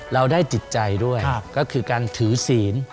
เราได้จิตใจด้วยก็คือการถือศีล